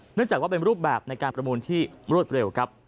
เนื่องจากว่าเป็นรูปแบบในการประมูลที่รวดเร็วครับ